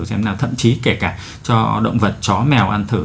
xem là thậm chí kể cả cho động vật chó mèo ăn thử